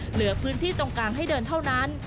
เหลือพื้นที่ตรงกลางให้เดินเท่านั้น